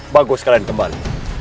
bagus kalian kembali